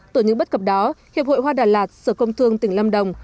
từ những bất cập đó hiệp hội hoa đà lạt sở công thương tỉnh lâm đồng